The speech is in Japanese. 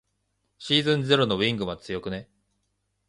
シーズンゼロのウィングマン強くね。